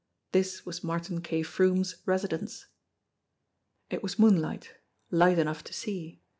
This was Martin K. Froomes' residence. It was moonlight ; light enough to see.